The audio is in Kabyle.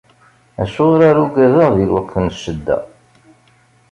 Acuɣer ara aggadeɣ di lweqt n ccedda.